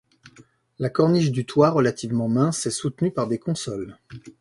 La corniche du toit, relativement mince, est soutenue par des consoles.